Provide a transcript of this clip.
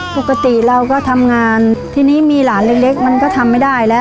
ปกติเราก็ทำงานทีนี้มีหลานเล็กมันก็ทำไม่ได้แล้ว